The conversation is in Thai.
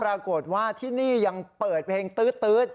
ปรากฏว่าที่นี่ยังเปิดเพลงตื๊ด